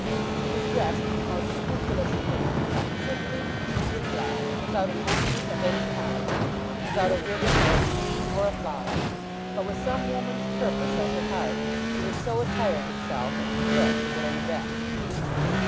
She was dressed with the most scrupulous care, simply, and in black, without an ornament of any kind, without a ribbon or a chain or a flower. But with some woman's purpose at her heart she had so attired herself as to look her very best.